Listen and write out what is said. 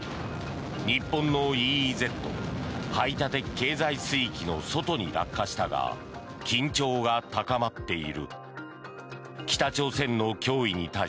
日本のＥＥＺ・排他的経済水域の外に落下したが緊張が高まっている。